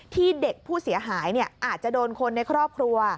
ที่เด็กผู้เสียหายอาจจะโดนคนในครอบครัว